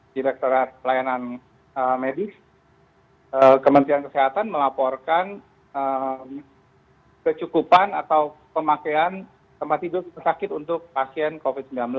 direkturat pelayanan medis kementerian kesehatan melaporkan kecukupan atau pemakaian tempat tidur sakit untuk pasien covid sembilan belas